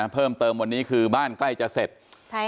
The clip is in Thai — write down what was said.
เพิ่มเติมวันนี้คือบ้านใกล้จะเสร็จ